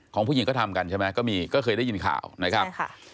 ของผู้หญิงก็ทำกันใช่ไหมก็มีก็เคยได้ยินข่าวนะครับใช่ค่ะ